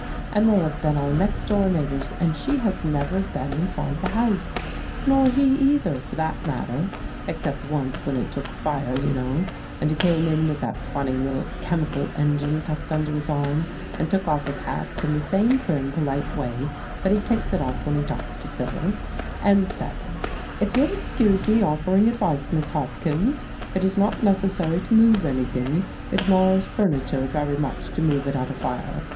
And they have been our next door neighbors, and she has never been inside the house. Nor he either, for that matter, except once when it took fire, you know, and he came in with that funny little chemical engine tucked under his arm, and took off his hat in the same prim, polite way that he takes it off when he talks to Sibyl, and said, 'If you'll excuse me offering advice, Miss Hopkins, it is not necessary to move anything; it mars furniture very much to move it at a fire.